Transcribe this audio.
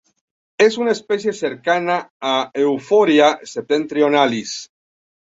Es una especie cercana a "Euphorbia septentrionalis".